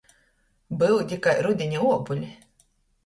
Byudi kai rudiņa uobuli.